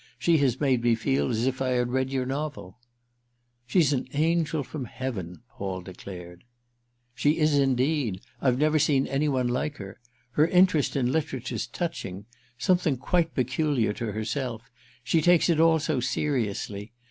She has made me feel as if I had read your novel." "She's an angel from heaven!" Paul declared. "She is indeed. I've never seen any one like her. Her interest in literature's touching—something quite peculiar to herself; she takes it all so seriously.